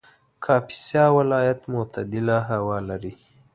کاپیسا ولایت معتدله هوا لري